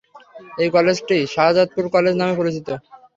এই কলেজটি "শাহজাদপুর কলেজ" নামে পরিচিত।